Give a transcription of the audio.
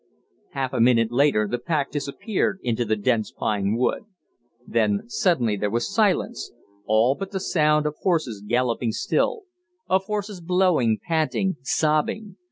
Half a minute later the pack disappeared into the dense pine wood. Then suddenly there was silence, all but the sound of horses galloping still; of horses blowing, panting, sobbing.